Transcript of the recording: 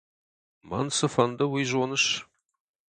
Мӕн цы фӕнды, уый зоныс?